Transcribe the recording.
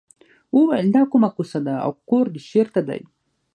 وویل دا کومه کوڅه ده او کور دې چېرته دی.